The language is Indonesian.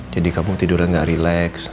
jadi kamu tidurnya nggak rileks